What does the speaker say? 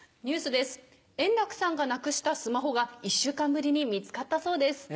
ニュースです円楽さんがなくしたスマホが１週間ぶりに見つかったそうです。